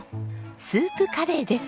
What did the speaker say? スープカレーです。